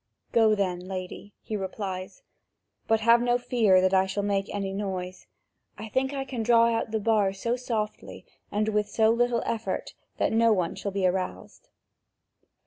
"Go then, lady," he replies; "but have no fear that I shall make any noise. I think I can draw out the bars so softly and with so little effort that no one shall be aroused."